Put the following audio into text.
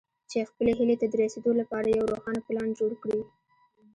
چې خپلې هيلې ته د رسېدو لپاره يو روښانه پلان جوړ کړئ.